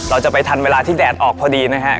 เราจะไปทันเวลาที่แดดออกพอดีนะฮะ